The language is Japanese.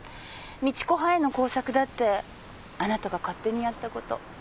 美智子派への工作だってあなたが勝手にやったこと。